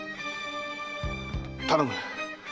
頼む